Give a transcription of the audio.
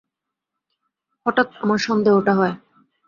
হঠাৎ আমার সন্দেহটা হয়।